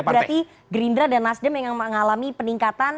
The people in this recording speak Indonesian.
berarti gerindra dan nasdem yang mengalami peningkatan